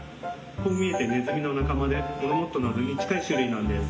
こう見えてネズミの仲間でモルモットなどに近い種類なんです。